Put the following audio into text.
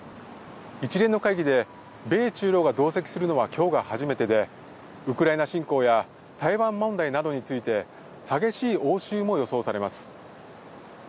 一連の会議で米中露が同席するのは今日が初めてで、ウクライナ侵攻や台湾問題などについて激しい応酬も予想されます。